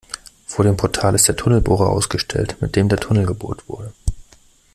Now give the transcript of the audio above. Vor dem Portal ist der Tunnelbohrer ausgestellt, mit dem der Tunnel gebohrt wurde.